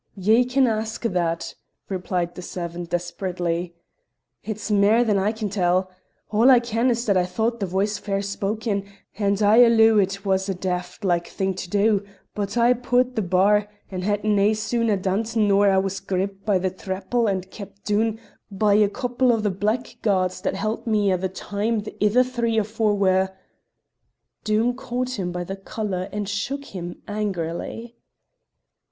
"Ye can ask that!" replied the servant desperately; "it's mair than I can tell. All I ken is that I thought the voice fair spoken, and I alloo it was a daft like thing to do, but I pu'ed the bar, I had nae sooner dune't nor I was gripped by the thrapple and kep' doon by a couple o' the blackguards that held me a' the time the ither three or four were " Doom caught him by the collar and shook him angrily.